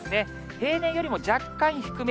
平年よりも若干低め。